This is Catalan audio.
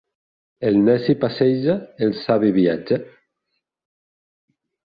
El neci passeja, el savi viatja.